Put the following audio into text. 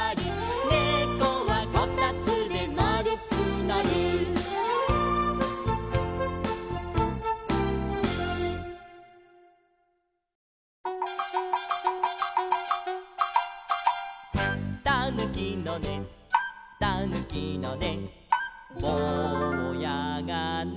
「ねこはこたつで丸くなる」「たぬきのねたぬきのねぼうやがね」